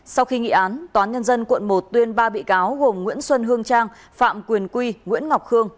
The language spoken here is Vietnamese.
sau khi nghị án toán nhân dân quận một tuyên ba bị cáo gồm nguyễn xuân hương trang phạm quyền quy nguyễn ngọc khương